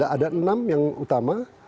ada enam yang utama